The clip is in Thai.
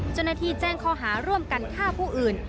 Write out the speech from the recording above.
จนนาทีแจ้งคอหาร่วมกันฆ่าผู้อื่น